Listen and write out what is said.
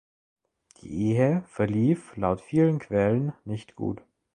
Die Ehe verlief laut vielen Quellen nicht gut.